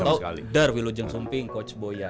tau tau darwilo jeng sumping coach boyan